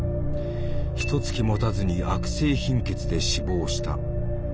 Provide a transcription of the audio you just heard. ひとつきもたずに悪性貧血で死亡した。